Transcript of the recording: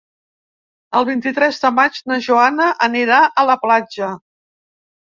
El vint-i-tres de maig na Joana anirà a la platja.